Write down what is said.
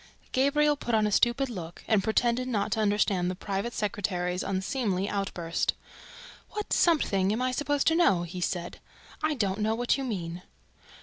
Gabriel put on a stupid look and pretended not to understand the private secretary's unseemly outburst. "What 'something' am I supposed to know?" he said. "I don't know what you mean."